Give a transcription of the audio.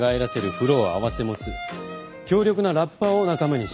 フローを併せ持つ強力なラッパーを仲間にします。